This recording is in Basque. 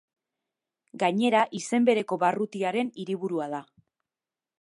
Gainera, izen bereko barrutiaren hiriburua da.